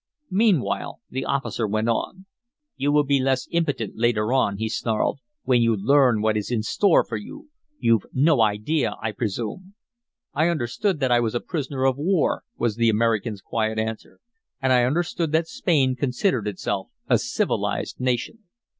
Meanwhile the officer went on. "You will be less impudent later on," he snarled, "when you learn what is in store for you. You've no idea, I presume." "I understood that I was a prisoner of war," was the American's quiet answer. "And I understood that Spain considered itself a civilized nation."